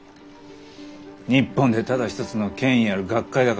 日本でただ一つの権威ある学会だからね。